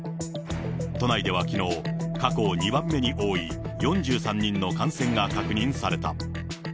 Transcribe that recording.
都内ではきのう、過去２番目に多い４３人の感染が確認された。